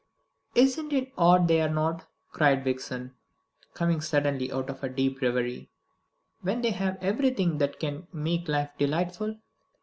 "Isn't it odd they are not," cried Vixen, coming suddenly out of a deep reverie, "when they have everything that can make life delightful?"